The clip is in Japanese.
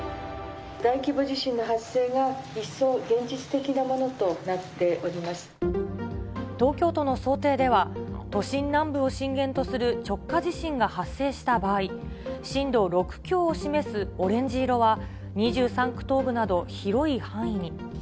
大規模地震の発生が、一層現東京都の想定では、都心南部を震源とする直下地震が発生した場合、震度６強を示すオレンジ色は、２３区東部など広い範囲に。